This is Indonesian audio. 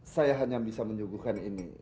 saya hanya bisa menyuguhkan ini